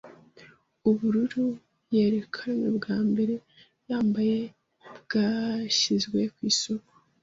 Ubururu yerekanwe bwa mbere yambaye bwashyizwe ku isoko